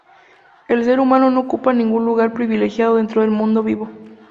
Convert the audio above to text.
El ser humano no ocupa ningún lugar privilegiado dentro del mundo vivo.